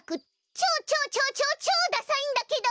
ちょうちょうちょうちょうちょうダサイんだけど！